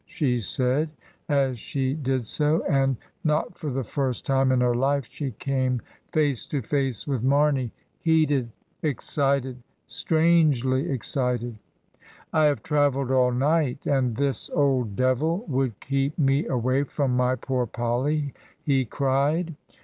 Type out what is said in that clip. she said as she did so, and, not for the first time in her life, she came face to face with Mamey, heated, excited — strangely excited. "I have travelled all night, and this old devil would keep me away from my poor Polly," he cried.